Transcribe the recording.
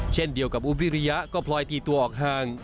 เช่นเดียวกับอุ๊บวิริยะก็พลอยตีตัวออกห่าง